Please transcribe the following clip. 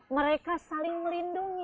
mereka saling melindungi